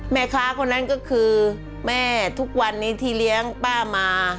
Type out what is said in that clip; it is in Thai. แม่ค้าคนนั้นก็คือแม่ทุกวันนี้ที่เลี้ยงป้ามา